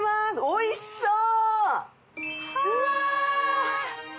おいしそう。